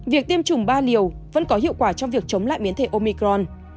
việc tiêm chủng ba liều vẫn có hiệu quả trong việc chống lại biến thể omicron